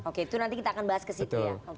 oke itu nanti kita akan bahas ke situ ya